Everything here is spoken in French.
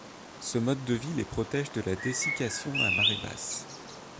Ce mode de vie les protège de la dessiccation à marée basse.